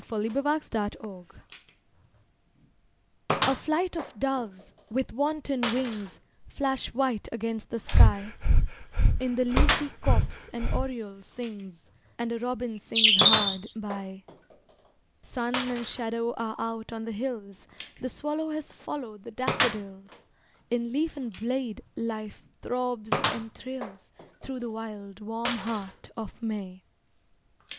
To Melvin Gardner: Suicide A flight of doves, with wanton wings, Flash white against the sky. In the leafy copse an oriole sings, And a robin sings hard by. Sun and shadow are out on the hills; The swallow has followed the daffodils; In leaf and blade, life throbs and thrills Through the wild, warm heart of May.